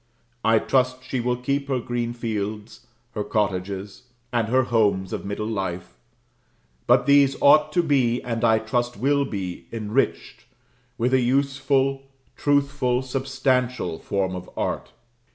I trust she will keep her green fields, her cottages, and her homes of middle life; but these ought to be, and I trust will be enriched with a useful, truthful, substantial form of art.